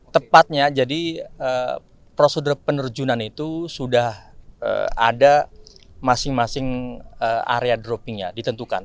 tepatnya jadi prosedur penerjunan itu sudah ada masing masing area droppingnya ditentukan